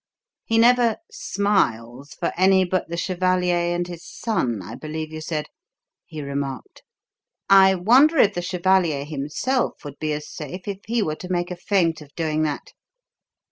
"He never 'smiles' for any but the chevalier and his son, I believe you said," he remarked. "I wonder if the chevalier himself would be as safe if he were to make a feint of doing that?"